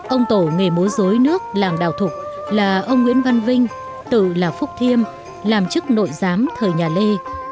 ông tổ nghề múa dối nước làng đào thục là ông nguyễn văn vinh tự là phúc thiêm làm chức nội giám thời nhà lê